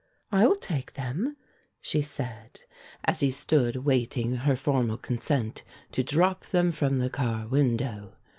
"I will take them," she said, as he stood waiting her formal consent to drop them from the car window.